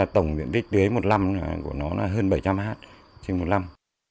tổng diện tích tưới một năm của nó là hơn bảy trăm linh ha trên một năm